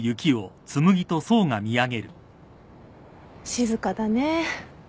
静かだね。